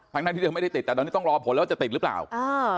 ทั้งหน้าที่เธอไม่ได้ติดแต่ต้องรอผลแล้วจะติดรึเปล่าอื้อ